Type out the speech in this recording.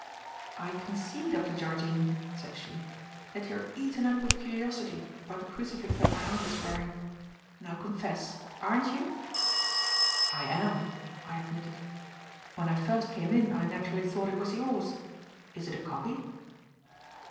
"I can see. Dr. Jardine," said she, "that you are eaten up with curiosity about the crucifix that my Aunt is wearing. Now confess. Aren't you?" "I am," I admitted. "When I first came in I naturally thought it was yours. Is it a copy?"